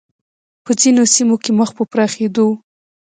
په ځینو سیمو کې مخ په پراخېدو و